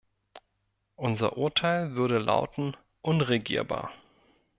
Unser Urteil würde lauten "unregierbar".